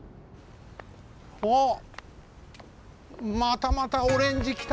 おっまたまたオレンジきた！